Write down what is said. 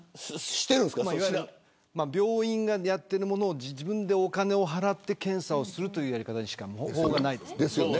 病院がやってるものを自分でお金を払って検査するというやり方しか方法がないです。